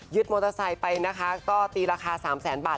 ยึดมอเตอร์ไซค์ไปนะคะก็ตีราคา๓๐๐๐๐๐บาท